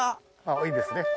いいですね。